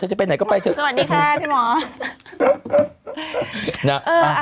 เธอจะไปไหนก็ไปเถอะสวัสดีค่ะพี่หมอนะเอออ่า